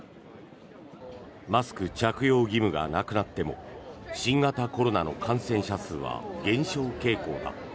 マスク着用義務がなくなっても新型コロナの感染者数は減少傾向だ。